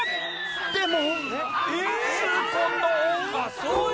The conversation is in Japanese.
でも。